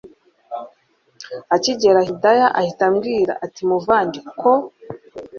akihagera Hidaya ahita ambwira atimuvandi ko